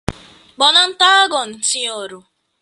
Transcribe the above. Bonan tagon sinjoro!